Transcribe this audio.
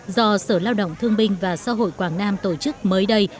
do sở lao động thương binh và xã hội quảng nam tổ chức mới đây